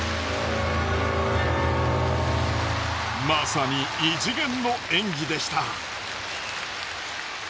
まさに異次元の演技でした。